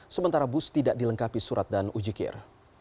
sementara bus tidak dilengkapi surat dan ujikir